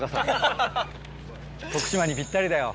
徳島にぴったりだよ。